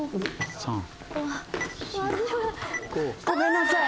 ごめんなさい！